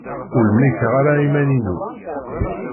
Ur mlikeɣ ara iman-inu.